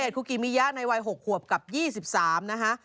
คุกิมิยะในวัย๖ขวบกับ๒๓นะคะ